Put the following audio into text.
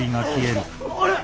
あれ？